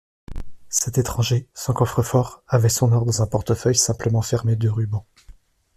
Cet étranger, sans coffre-fort, avait son or dans un portefeuille, simplement fermé de rubans.